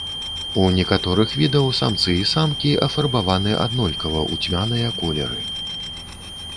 У некаторых відаў самцы і самкі афарбаваны аднолькава, у цьмяныя колеры.